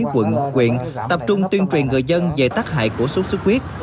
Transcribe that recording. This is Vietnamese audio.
quận quyện tập trung tuyên truyền người dân về tác hại của sốt sốt quyết